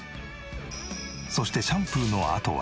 そしてシャンプーのあとは。